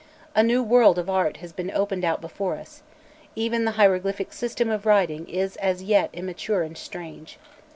A new world of art has been opened out before us; even the hieroglyphic system of writing is as yet immature and strange.